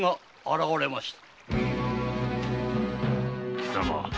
貴様